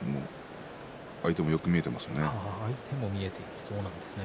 相手もよく見えていますよね。